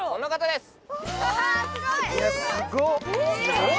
すごい！